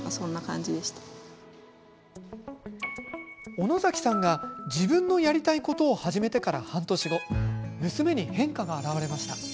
小野崎さんが自分のやりたいことを始めてから半年後、娘に変化が表れました。